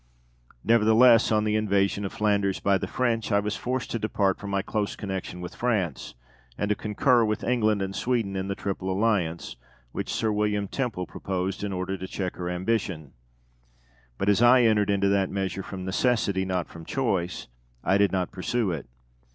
Nevertheless, on the invasion of Flanders by the French, I was forced to depart from my close connection with France, and to concur with England and Sweden in the Triple Alliance, which Sir William Temple proposed, in order to check her ambition; but as I entered into that measure from necessity, not from choice, I did not pursue it.